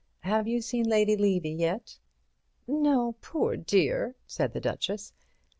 Have you seen Lady Levy yet?" "No, poor dear," said the Duchess.